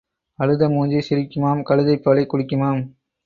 அழுத மூஞ்சி சிரிக்குமாம் கழுதைப் பாலைக் குடிக்குமாம்.